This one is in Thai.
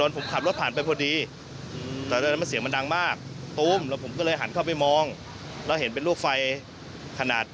ฟังเสียงของผู้เห็นเหตุการณ์ค่ะ